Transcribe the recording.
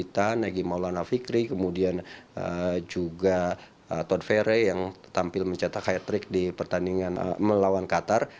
dan nagi maulana fikri kemudian juga todd ferry yang tampil mencetak kayak trik di pertandingan melawan qatar